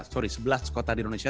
sorry sebelas kota di indonesia